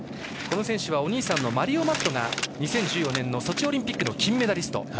この選手はお兄さんのマリオ・マットが２０１４年のソチオリンピックの金メダリスト。